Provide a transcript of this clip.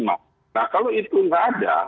nah kalau itu nggak ada